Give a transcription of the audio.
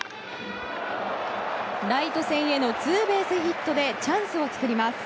ライト線へのツーベースヒットでチャンスを作ります。